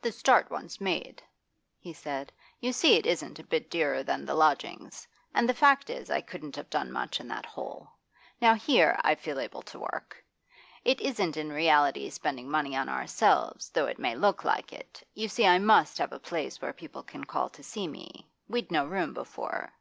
'The start once made,' he said, 'you see it isn't a bit dearer than the lodgings. And the fact is, I couldn't have done much in that hole. Now here, I feel able to go to work. It isn't in reality spending money on ourselves, though it may look like it. You see I must have a place where people can call to see me; we'd no room before.